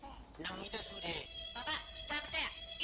bapak jangan percaya itu bohong kalau bapak tidak percaya tanya ke sherly sherly